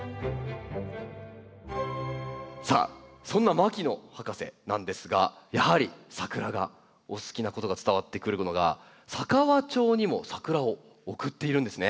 さあそんな牧野博士なんですがやはりサクラがお好きなことが伝わってくるものが佐川町にもサクラを贈っているんですね。